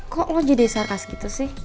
kok lo jadi sarkas gitu sih